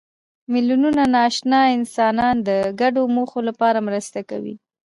میلیونونه ناآشنا انسانان د ګډو موخو لپاره مرسته کوي.